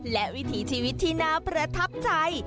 และวิถีชีวิตที่น่าประทับใจ